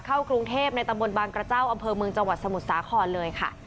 เข้ากรุงเทพในตำบลบางกระเจ้าอำเภอเมืองจังหวัดสมุทรสาครเลยค่ะ